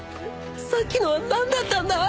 さっきのは何だったんだ！？